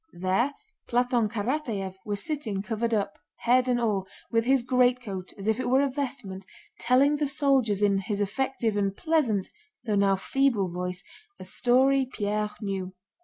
There Platón Karatáev was sitting covered up—head and all—with his greatcoat as if it were a vestment, telling the soldiers in his effective and pleasant though now feeble voice a story Pierre knew.